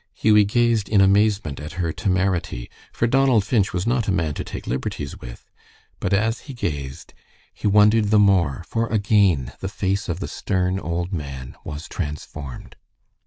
Hughie gazed in amazement at her temerity, for Donald Finch was not a man to take liberties with; but as he gazed, he wondered the more, for again the face of the stern old man was transformed.